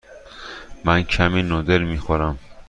من کمی نودل می خورم.